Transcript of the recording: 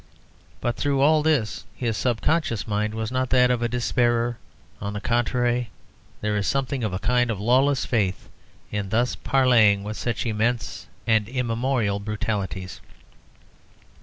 But through all this his subconscious mind was not that of a despairer; on the contrary, there is something of a kind of lawless faith in thus parleying with such immense and immemorial brutalities.